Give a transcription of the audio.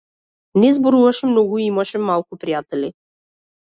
Не зборуваше многу и имаше малку пријатели.